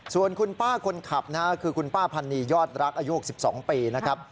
ส่วนคุณป้าคนขับนะฮะคือคุณป้าพันนียอดรักอายุ๖๒ปีนะครับ